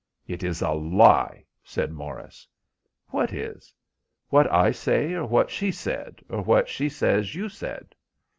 "It is a lie," said Morris. "What is? What I say, or what she said, or what she says you said?"